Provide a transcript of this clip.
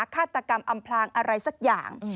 ฆาตกรรมอำพลางอะไรสักอย่าง